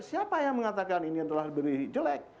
siapa yang mengatakan ini adalah jelek